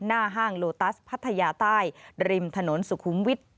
ห้างโลตัสพัทยาใต้ริมถนนสุขุมวิทย์